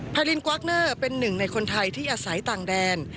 ลินกวากเนอร์เป็นหนึ่งในคนไทยที่อาศัยต่างแดน